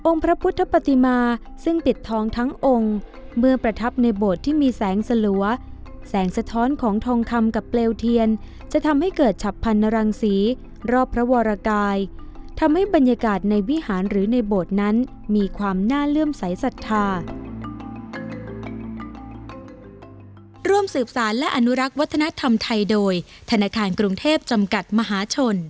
พระพุทธปฏิมาซึ่งปิดทองทั้งองค์เมื่อประทับในโบสถ์ที่มีแสงสลัวแสงสะท้อนของทองคำกับเปลวเทียนจะทำให้เกิดฉับพันธรังศรีรอบพระวรกายทำให้บรรยากาศในวิหารหรือในโบสถ์นั้นมีความน่าเลื่อมใสสัทธา